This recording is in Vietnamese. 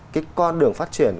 cái con đường phát triển